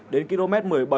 đến km một mươi bảy